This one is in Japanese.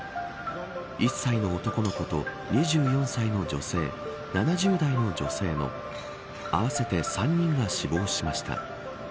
１歳の男の子と２４歳の女性、７０代の女性の合わせて３人が死亡しました。